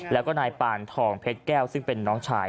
แล้วก็นายปานทองเพชรแก้วซึ่งเป็นน้องชาย